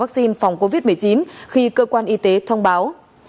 tiêm chủng vaccine phòng covid một mươi chín khi cơ quan y tế thông báo